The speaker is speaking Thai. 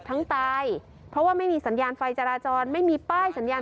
ตายเพราะว่าไม่มีสัญญาณไฟจราจรไม่มีป้ายสัญญาณ